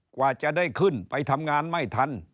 กว่าจะได้ขึ้นไปทำงานไม่ทัน